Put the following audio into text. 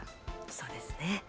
そうですね。